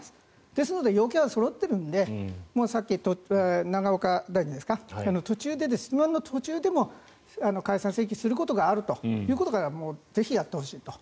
ですので要件がそろっているのでさっき、永岡大臣ですか途中でも解散請求することがあるということはもうぜひやってほしいと。